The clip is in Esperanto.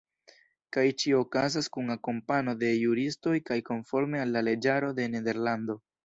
Kaj ĉio okazas kun akompano de juristoj kaj konforme al la leĝaro de Nederlando.